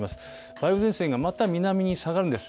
梅雨前線がまた南に下がるんです。